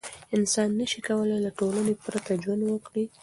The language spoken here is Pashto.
انسان نسي کولای له ټولنې پرته ژوند وکړي.